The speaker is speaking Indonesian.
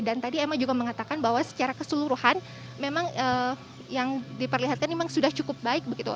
dan tadi emang juga mengatakan bahwa secara keseluruhan memang yang diperlihatkan memang sudah cukup baik begitu